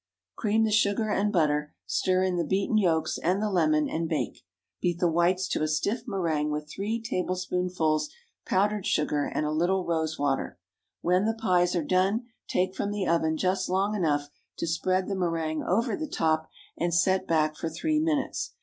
Cream the sugar and butter, stir in the beaten yolks and the lemon, and bake. Beat the whites to a stiff méringue with three tablespoonfuls powdered sugar and a little rose water. When the pies are done, take from the oven just long enough to spread the méringue over the top, and set back for three minutes.